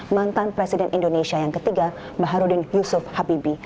mantan presiden indonesia yang ketiga mbah harudin yusuf habibi